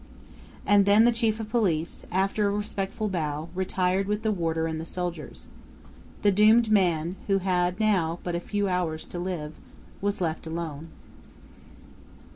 And then the chief of the police, after a respectful bow, retired with the warder and the soldiers. The doomed man, who had now but a few hours to live, was left alone.